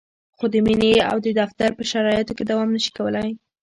خو د مینې او د دفتر په شرایطو کې دوام نشي کولای.